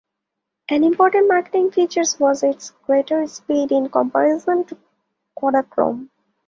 An important marketing feature was its greater speed in comparison to Kodachrome.